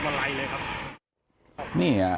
คนมองผสดคนนุ่นโดยตรงเนี้ย